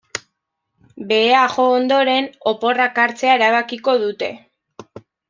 Behea jo ondoren, oporrak hartzea erabakiko dute.